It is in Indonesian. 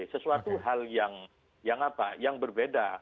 sesuatu hal yang berbeda